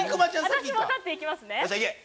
私も立っていきますね。